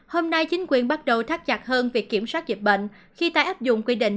hôm nay chính quyền bắt đầu thắt chặt hơn việc kiểm soát dịch bệnh khi ta áp dụng quy định